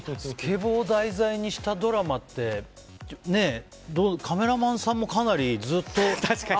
スケボーを題材にしたドラマってカメラマンさんもかなりずっと。